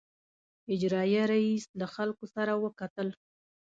اجرائیه رییس له خلکو سره وکتل.